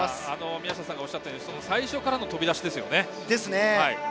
宮下さんがおっしゃったように最初からの飛び出しですね。